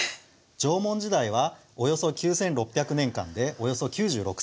縄文時代はおよそ９，６００年間でおよそ９６センチあります。